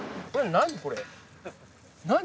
何これ？